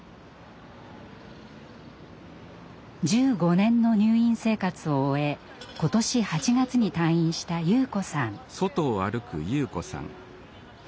１５年の入院生活を終え今年８月に退院した、優子さん。